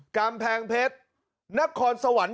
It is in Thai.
กำแพงเพชรนครสวรรค์